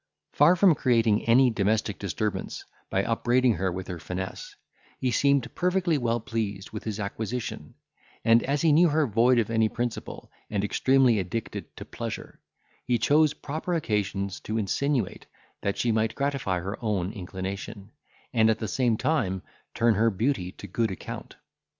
Far from creating any domestic disturbance, by upbraiding her with her finesse, he seemed perfectly well pleased with his acquisition; and, as he knew her void of any principle, and extremely addicted to pleasure, he chose proper occasions to insinuate, that she might gratify her own inclination, and at the same time turn her beauty to good account.